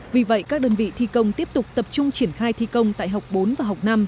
vì vậy các đơn vị thi công tiếp tục tập trung triển khai thi công tại học bốn và học năm